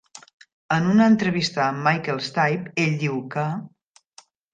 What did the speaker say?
En una entrevista amb Michael Stipe, ell diu que:...